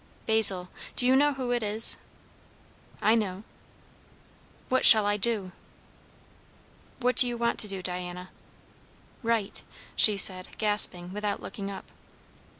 "Basil do you know who it is?" "I know." "What shall I do?" "What do you want to do, Diana?" "Right" she said, gasping, without looking up.